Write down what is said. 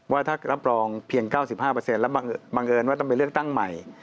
ว่าถ้ารับรองเพียง๙๕แล้วบังเอิญว่าต้องไปเลือกตั้งใหม่